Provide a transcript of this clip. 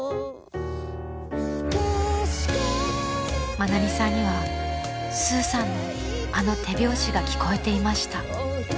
［愛美さんにはスーさんのあの手拍子が聞こえていました］